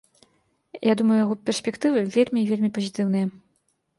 Я думаю, яго перспектывы вельмі і вельмі пазітыўныя.